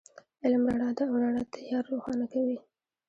علم رڼا ده، او رڼا تیار روښانه کوي